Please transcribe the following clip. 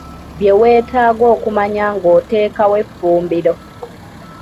Bye weetaaga okumanya ng'oteekawo effumbiro.